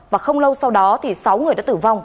và không lâu sau đó thì sáu người đã tử vong